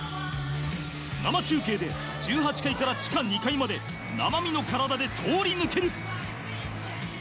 生中継で１８階から地下２階まで生身の体で通り抜ける。